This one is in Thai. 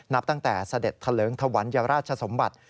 นับตั้งแต่เสด็จเถลิงถวัญราชสมบัติ